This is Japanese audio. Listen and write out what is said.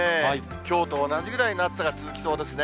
きょうと同じぐらいの暑さが続きそうですね。